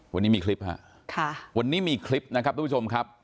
วันนี้มีคลิปฮะค่ะวันนี้มีคลิปนะครับทุกผู้ชมครับ